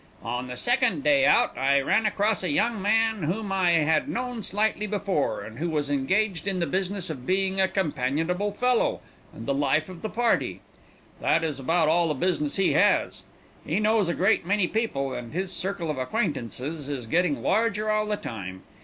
On the second day out, I ran across a young man whom I had known slightly before, and who is engaged in the business of being a companionable fellow and the life of the party. That is about all the business he has. He knows a great many people, and his circle of acquaintances is getting larger all the time.